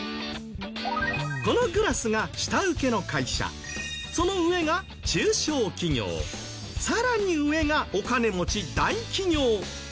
このグラスが下請の会社その上が中小企業さらに上がお金持ち大企業と考えてみてください。